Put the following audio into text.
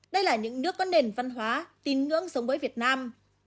đây là những nước có nền văn hóa tin ngưỡng sống với việt nam